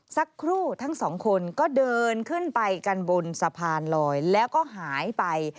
สักครู่ทั้งสองคนก็เดินขึ้นไปกันบนสะพานลอยแล้วก็หายไป